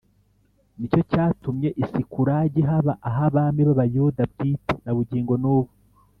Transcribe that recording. ni cyo cyatumye i sikulagi haba ah’abami b’abayuda bwite na bugingo n’ubu